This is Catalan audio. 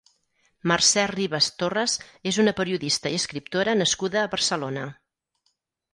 Mercè Rivas Torres és una periodista i escriptora nascuda a Barcelona.